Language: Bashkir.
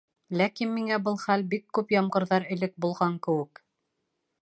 Ләкин миңә был хәл бик күп ямғырҙар элек булған кеүек.